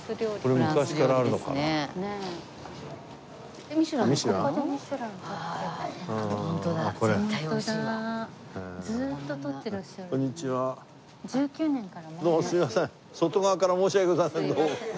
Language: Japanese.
外側から申し訳ございませんどうも。